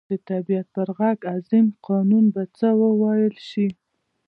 د طبعیت پر دغه عظیم قانون به څه وویل شي.